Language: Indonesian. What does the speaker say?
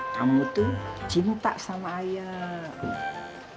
kamu itu cinta sama ayah